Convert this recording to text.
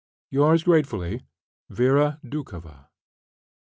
Yours gratefully, VERA DOUKHOVA."